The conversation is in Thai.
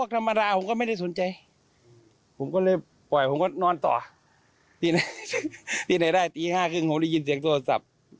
ที่ไหนได้ตี๕กว่าครึ่งผมได้ยินเสียงโทรศัพท์